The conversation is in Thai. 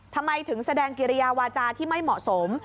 ทำไมถึงแสดงกิริยาวาจาที่ไม่เหมาะสม